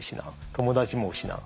友達も失う。